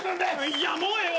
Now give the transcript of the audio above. いやもうええわ。